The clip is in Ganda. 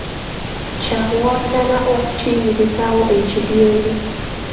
Kya buwanana okuyimirizaawo ekidyeri.